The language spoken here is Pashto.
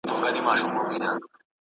ځکه تاته په قسمت لیکلی اور دی `